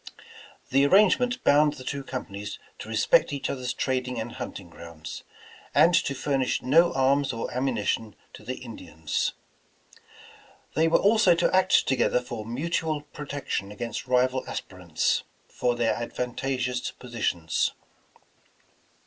The ar rangement bound the two companies to respect each other's trading and hunting grounds, and to furnish no arms or ammunition to the Indians. They were also to act together for mutual protection against rival as pirants for their advantageous positions.